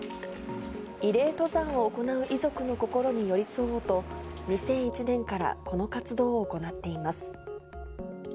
慰霊登山を行う遺族の心に寄り添おうと、２００１年からこの活動を行っています。